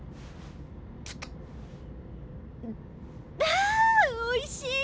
あおいしい！